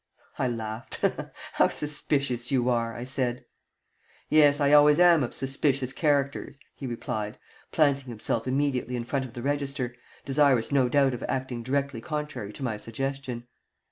I laughed. "How suspicious you are!" I said. "Yes I always am of suspicious characters," he replied, planting himself immediately in front of the register, desirous no doubt of acting directly contrary to my suggestion.